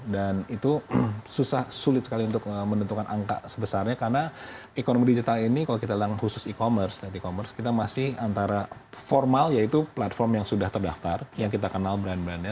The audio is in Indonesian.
dan itu sulit sekali untuk menentukan angka sebesarnya karena ekonomi digital ini kalau kita dalam khusus e commerce kita masih antara formal yaitu platform yang sudah terdaftar yang kita kenal brand brandnya